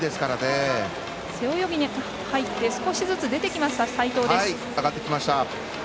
背泳ぎに入って少しずつ出てきた齋藤。